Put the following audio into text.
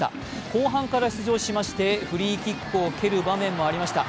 後半から出場しまして、フリーキックを蹴る場面もありました。